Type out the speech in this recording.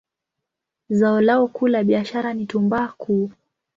Zao lao kuu la biashara ni tumbaku.